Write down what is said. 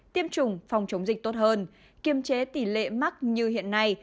tiêm chủng phòng chống dịch tốt hơn kiềm chế tỷ lệ mắc như hiện nay